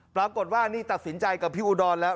ปรากฏว่านี่ตัดสินใจกับพี่อุดรแล้ว